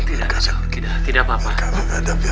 tidak tidak apa apa